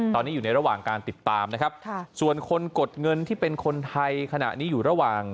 ตอนนี้อยู่ในระหว่างการติดตามนะครับส่วนคนกดเงินที่เป็นคนไทยขณะนี้อยู่ระหว่าง